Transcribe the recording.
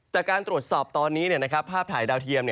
จากการตรวจสอบตอนนี้ภาพถ่ายดาวเทียม